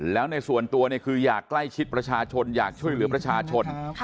แล้วในส่วนตัวคืออยากใกล้ชิดประชาชนอยากช่วยเหลือประชาชน